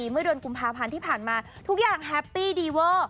เมื่อเดือนกุมภาพันธ์ที่ผ่านมาทุกอย่างแฮปปี้ดีเวอร์